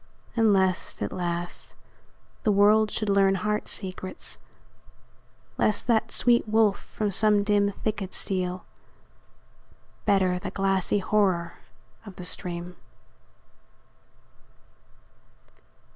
And lest, at last, the world should learn heart secrets; Lest that sweet wolf from some dim thicket steal; Better the glassy horror of the stream.